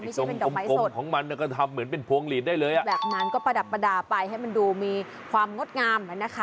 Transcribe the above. ไม่ใช่เป็นดอกไม้สดแบบนั้นก็ประดับประดาษไปให้มันดูมีความงดงามนะคะ